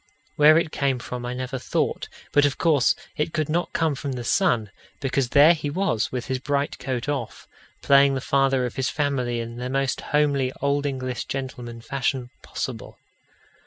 Where it came from I never thought, but of course it could not come from the sun, because there he was, with his bright coat off, playing the father of his family in the most homely Old English gentleman fashion possible.